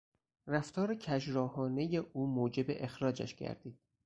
رفتار کژراهانهی او موجب اخراجش گردید.